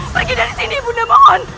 pergi dari sini ibunda mohon